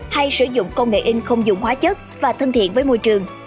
hay sử dụng công nghệ in không dùng hóa chất và thân thiện với môi trường